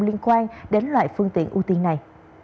liên quan đến loại phương tiện ưu tiên này